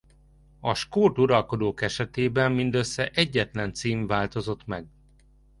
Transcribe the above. A skót uralkodók esetében mindössze egyetlen cím változott meg.